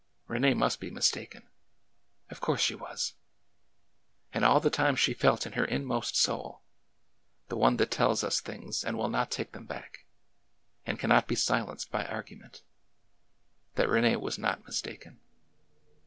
... Rene must be mistaken —of course she was! And all the time she felt in her inmost soul — the one that tells us things and will not take them back, and cannot be silenced by argument— that Rene was not mistaken.